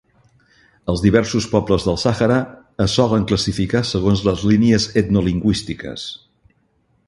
Els diversos pobles del Sàhara es solen classificar segons les línies etnolingüístiques.